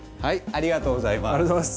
ありがとうございます。